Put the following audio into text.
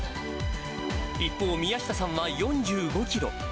一方、宮下さんは４５キロ。